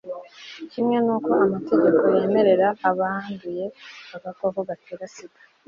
kimwe n'uko amategeko yemerera abanduye agakoko gatera sida